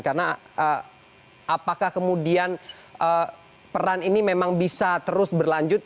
karena apakah kemudian peran ini memang bisa terus berlanjut